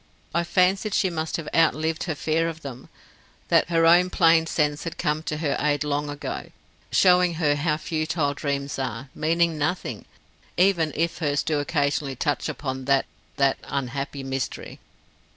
"I fancied she must have outlived her fear of them; that her own plain sense had come to her aid long ago, showing her how futile dreams are, meaning nothing, even if hers do occasionally touch upon that that unhappy mystery."